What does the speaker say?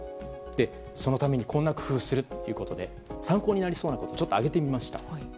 そのためにこんな工夫をするということで参考になりそうなことを挙げてみました。